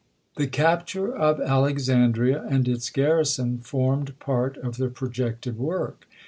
The capture of Alexandria and its garrison formed part of the projected work.